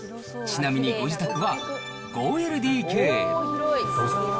ちなみにご自宅は５ＬＤＫ。